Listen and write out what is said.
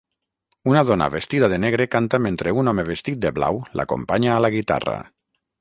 Una dona vestida de negre canta mentre un home vestit de blau l'acompanya a la guitarra.